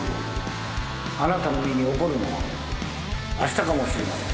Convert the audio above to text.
あなたの身に起こるのはあしたかもしれません。